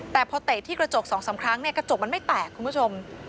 แต่พอเตะที่กระจก๒๓ครั้งกระจกมันไม่แตกคุณผู้ชม